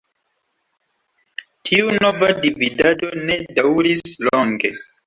Tiu nova dividado ne daŭris longe.